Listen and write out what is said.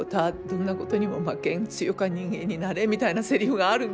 どんなことにも負けん強か人間になれ」みたいなせりふがあるんですよ。